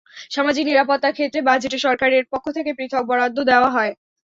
সামাজিক নিরাপত্তার ক্ষেত্রে বাজেটে সরকারের পক্ষ থেকে পৃথক বরাদ্দ দেওয়া হয়।